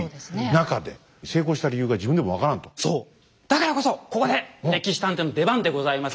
だからこそここで「歴史探偵」の出番でございます。